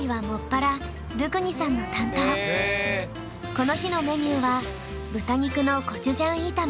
この日のメニューは豚肉のコチュジャン炒め。